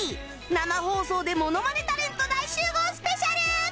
生放送でものまねタレント大集合スペシャル